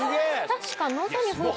確か。